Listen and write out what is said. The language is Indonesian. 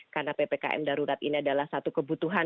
karena ppkm darurat ini adalah satu kebutuhan